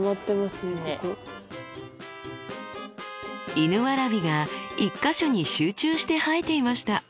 イヌワラビが１か所に集中して生えていました。